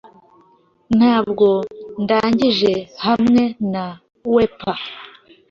Ntabwo ndangije hamwe na wepa